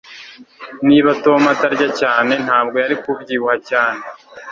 Niba Tom atarya cyane ntabwo yari kubyibuha cyane